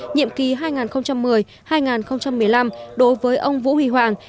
nhiệm kỳ hai nghìn một mươi hai nghìn một mươi năm đối với ông vũ huy hoàng